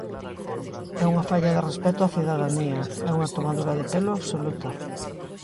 É unha falla de respecto á cidadanía, é unha tomadura de pelo absoluta.